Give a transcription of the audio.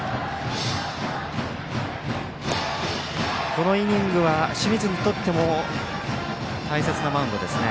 このイニングは清水にとっても大切なマウンドですね。